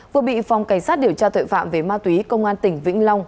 vừa bị phòng cảnh sát điều tra tội phạm về ma túy công an tỉnh vĩnh long